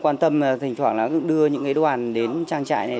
quan tâm thỉnh thoảng là đưa những đoàn đến trang trại này